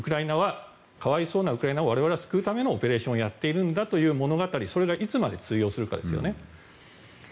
可哀想なウクライナを我々は救うためのオペレーションをやっているんだという物語それがいつまで通用するかですね。